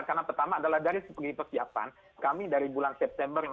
karena pertama adalah dari sebegini persiapan